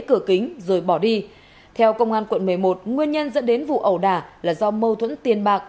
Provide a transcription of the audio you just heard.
cửa kính rồi bỏ đi theo công an quận một mươi một nguyên nhân dẫn đến vụ ẩu đả là do mâu thuẫn tiền bạc